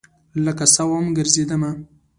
لکه سا وم ګرزیدمه